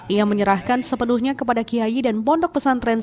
ia menyerahkan sepenuhnya kepada kiai dan pondok pesantren